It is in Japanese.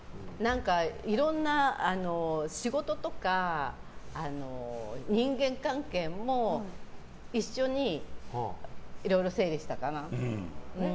いろんな、仕事とか人間関係も一緒にいろいろ整理したかな。